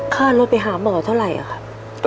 ค่ารถไปหาหมอเท่าไหร่ครับ